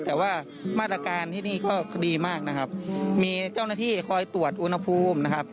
แต่ว่ามาตรการที่นี่ก็ดีมากนะครับมีเจ้าหน้าที่คอยตรวจอุณหภูมินะครับ